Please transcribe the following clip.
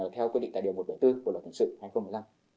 theo quy định tài liệu một bốn của luật hình dự hai nghìn một mươi năm